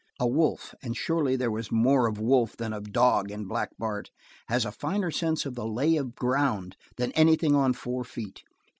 A wolf and surely there was more of wolf than of dog in Black Bart has a finer sense for the lay of ground than anything on four feet.